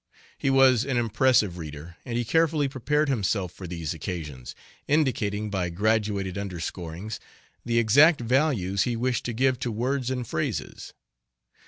He was an impressive reader, and he carefully prepared himself for these occasions, indicating by graduated underscorings, the exact values he wished to give to words and phrases.